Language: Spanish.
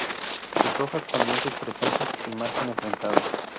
Sus hojas con dientes presentes y márgenes dentados.